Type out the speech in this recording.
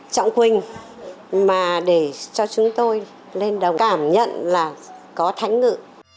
trọng quỳnh mà để cho chúng tôi lên đồng cảm nhận là có thánh ngự